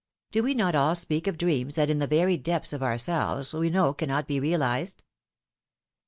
Do we not all speak of dreams that in the very depths of ourselves we know cannot be realized?